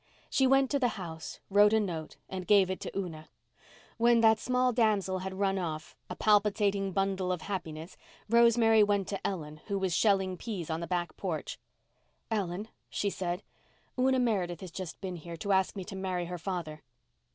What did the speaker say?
She went to the house, wrote a note and gave it to Una. When that small damsel had run off, a palpitating bundle of happiness, Rosemary went to Ellen, who was shelling peas on the back porch. "Ellen," she said, "Una Meredith has just been here to ask me to marry her father."